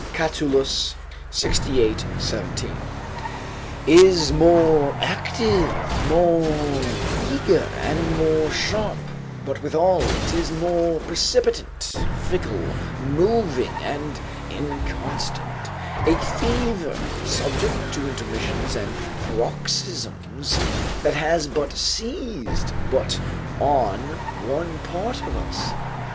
Catullus, lxviii. 17.] is more active, more eager, and more sharp: but withal, 'tis more precipitant, fickle, moving, and inconstant; a fever subject to intermissions and paroxysms, that has seized but on one part of us.